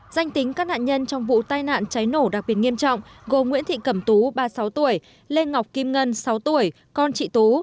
danh tính các nạn nhân trong vụ tai nạn cháy nổ đặc biệt nghiêm trọng gồm nguyễn thị cẩm tú ba mươi sáu tuổi lê ngọc kim ngân sáu tuổi con chị tú